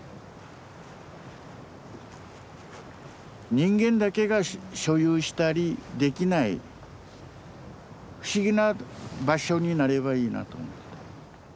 人間だけが所有したりできない不思議な場所になればいいなと思ってた。